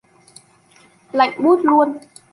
Lạnh buốt luôn